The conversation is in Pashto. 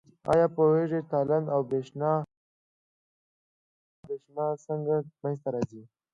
آیا پوهیږئ تالنده او برېښنا څنګه منځ ته راځي؟